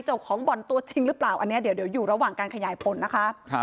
เจ้าของบ่อนตัวจริงหรือเปล่าอันนี้เดี๋ยวอยู่ระหว่างการขยายผลนะคะ